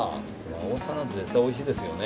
あおさなんて絶対美味しいですよね。